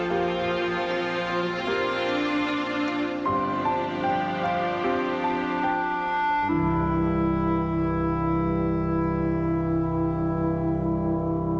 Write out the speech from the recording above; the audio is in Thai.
โปรดติดตามตอนต่อไป